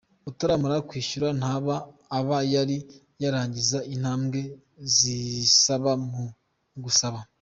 Utaramara kwishyura ntaba aba yari yarangiza intambwe zisaba mu gusaba.